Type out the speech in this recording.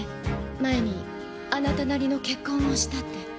前にあなたなりの結婚をしたって。